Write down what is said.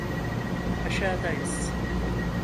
Aşağıdayız…